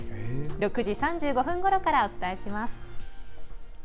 ６時３５分ごろからお伝えします。